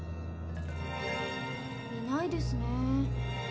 いないですね。